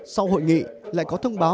sau hội nghị lại có thông báo